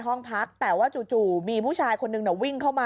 ตอนต่อไป